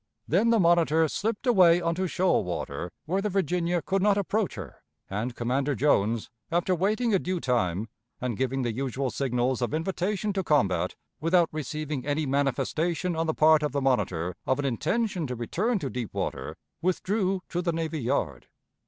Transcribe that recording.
Then the Monitor slipped away on to shoal water where the Virginia could not approach her, and Commander Jones, after waiting a due time, and giving the usual signals of invitation to combat, without receiving any manifestation on the part of the Monitor of an intention to return to deep water, withdrew to the navy yard.